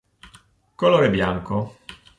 Colore bianco.